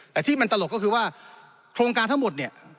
แต่ที่มันตลกก็คือว่าโครงการทั้งหมดเนี่ย